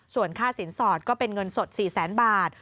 ส่วนค่าสินสอดก็เป็นเงินสด๔แสนบาท